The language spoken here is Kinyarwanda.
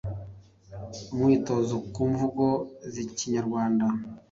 Umwitozo ku mvugo z’Ikinyarwanda